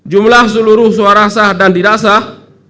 jumlah seluruh suara sah dan tidak sah